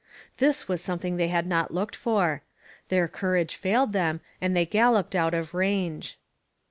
This was something they had not looked for; their courage failed them, and they galloped out of range.